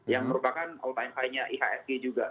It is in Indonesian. yang merupakan all time nya ihsg juga